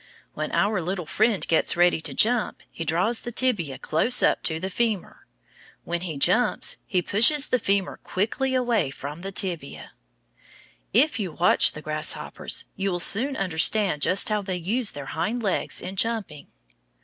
When our little friend gets ready to jump, he draws the tibia close up to the femur. When he jumps, he pushes the femur quickly away from the tibia. If you watch the grasshoppers, you will soon understand just how they use their hind legs in jumping.